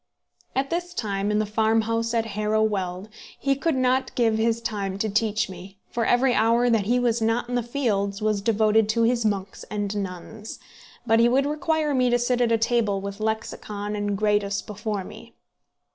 At this time, in the farmhouse at Harrow Weald, he could not give his time to teach me, for every hour that he was not in the fields was devoted to his monks and nuns; but he would require me to sit at a table with Lexicon and Gradus before me.